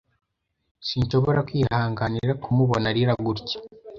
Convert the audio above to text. Sinshobora kwihanganira kumubona arira gutya